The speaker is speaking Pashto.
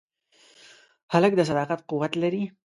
هلک د صداقت قوت لري.